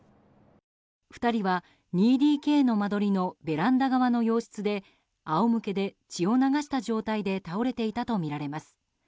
２人は２ＤＫの間取りのベランダ側の洋室で仰向けで、血を流した状態で倒れていたとみられます。